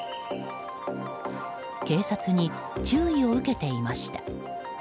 警察に注意を受けていました。